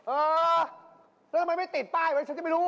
ก็ทำไมไม่ติดป้ายไว้ฉันจะไม่รู้อ่ะ